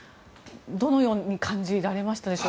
どのように感じられましたか？